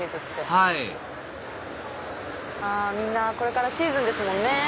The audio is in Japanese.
はいみんなこれからシーズンですもんね。